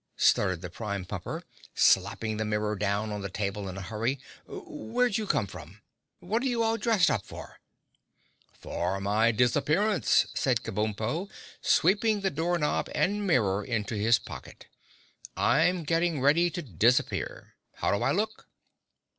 stuttered the Prime Pumper, slapping the mirror down on the table in a hurry. "Where'd you come from? What are you all dressed up for?" "For my disappearance," said Kabumpo, sweeping the door knob and mirror into his pocket. "I'm getting ready to disappear. How do I look?"